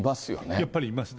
やっぱりいますね。